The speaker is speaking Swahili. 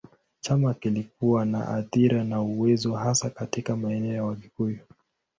Chama kilikuwa na athira na uwezo hasa katika maeneo ya Wakikuyu.